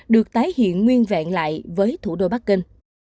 được tái hiện nguyên vẹn lại với thủ đô bắc kinh